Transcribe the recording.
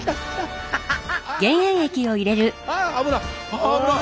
あ危なっ！